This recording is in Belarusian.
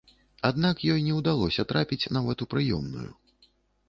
Аднак ёй не ўдалося трапіць нават у прыёмную.